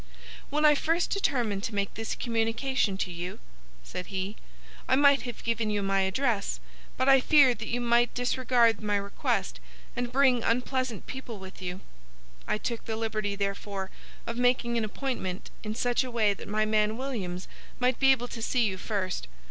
"When I first determined to make this communication to you," said he, "I might have given you my address, but I feared that you might disregard my request and bring unpleasant people with you. I took the liberty, therefore, of making an appointment in such a way that my man Williams might be able to see you first.